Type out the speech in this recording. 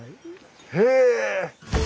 へえ！